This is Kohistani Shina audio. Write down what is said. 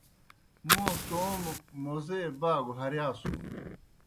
موں توموْ موزے باگوْ ہرِیاسُن۔